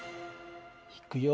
いくよ。